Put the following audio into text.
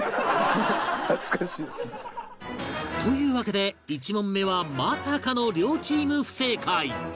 というわけで１問目はまさかの両チーム不正解